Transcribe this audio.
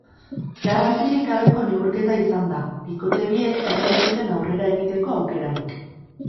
Garrantzirik gabeko neurketa izan da, bikote biek ez baitzuten aurrera egiteko aukerarik.